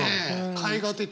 絵画的な。